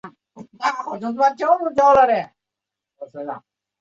御嵩町为岐阜县可儿郡的町。